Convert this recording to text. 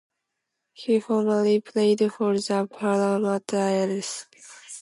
He formerly played for the Parramatta Eels.